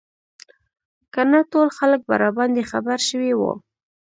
که نه ټول خلک به راباندې خبر شوي وو.